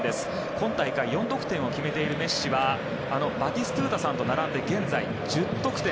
今大会４得点を決めているメッシはあのバティストゥータさんと並んで現在、１０得点。